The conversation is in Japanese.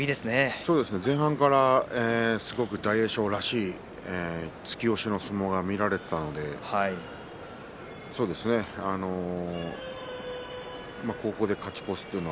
そうですね前半から大栄翔らしい突き押しの相撲が見られていたのでここで勝ち越すというのは。